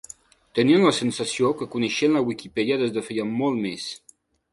Tenien la sensació que coneixien la Wikipedia des de feia molt més.